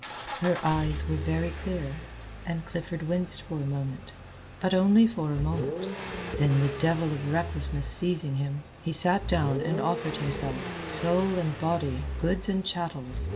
Her eyes were very clear, and Clifford winced for a moment, but only for a moment. Then the devil of recklessness seizing him, he sat down and offered himself, soul and body, goods and chattels.